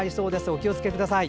お気をつけください。